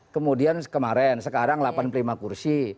kemudian kemarin sekarang delapan puluh lima kursi